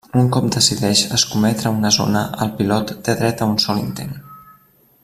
Un cop decideix escometre una zona, el pilot té dret a un sol intent.